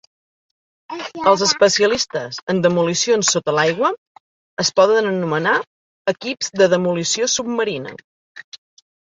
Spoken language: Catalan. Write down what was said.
Els especialistes en demolicions sota l'aigua es poden anomenar "equips de demolició submarina".